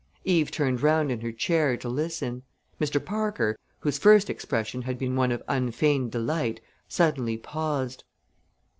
Eve turned round in her chair to listen. Mr. Parker, whose first expression had been one of unfeigned delight, suddenly paused.